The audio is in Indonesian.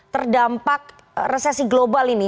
terdampak resesi global ini